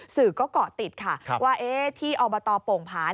สื่อก็เกาะติดค่ะว่าที่อบตโป่งผา